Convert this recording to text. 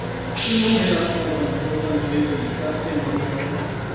跟踪雷达可部分转离垂直位置以降低高度。